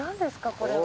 これは。